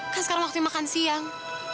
kan sekarang waktu makan siang